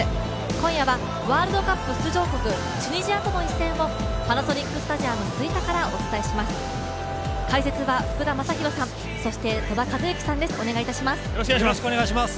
今夜はワールドカップ出場国チュニジアとの一戦をパナソニックスタジアム吹田からお伝えします。